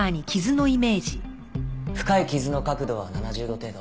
深い傷の角度は７０度程度。